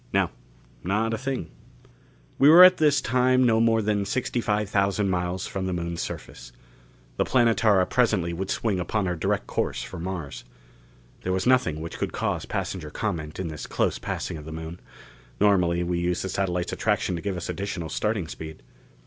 "No. Not a thing." We were at this time no more than sixty five thousand miles from the Moon's surface. The Planetara presently would swing upon her direct course for Mars. There was nothing which could cause passenger comment in this close passing of the Moon; normally we used the satellite's attraction to give us additional starting speed.